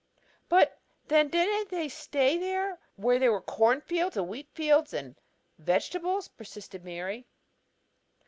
"But, then, why didn't they stay there, where there were corn fields and wheatfields and vegetables?" persisted Mary.